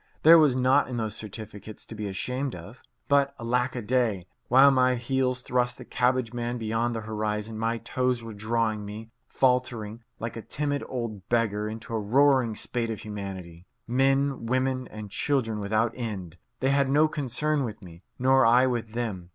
There was naught in those certificates to be ashamed of. But alack a day! While my heels thrust the cabbage man beyond the horizon, my toes were drawing me, faltering, like a timid old beggar, into a roaring spate of humanity men, women, and children without end. They had no concern with me, nor I with them.